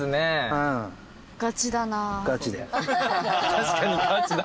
確かにガチだ。